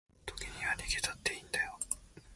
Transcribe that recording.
時には逃げたっていいんだよ